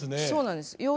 そうなんです。